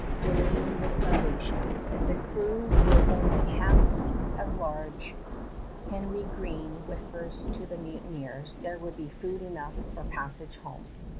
Delay means starvation. If the crew were only half as large, Henry Green whispers to the mutineers, there would be food enough for passage home.